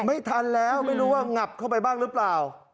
ไม่ทันแล้วไม่รู้ว่าหงับเข้าไปบ้างหรือเปล่า